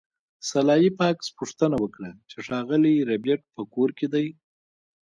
سلای فاکس پوښتنه وکړه چې ښاغلی ربیټ په کور کې دی